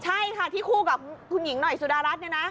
ใช่ค่ะที่คู่กับคุณหญิงหน่อยสุดารัฐเนี่ยนะ